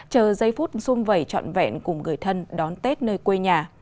chờ giây phút xôn vẩy trọn vẹn cùng người thân đón tết nơi quê nhà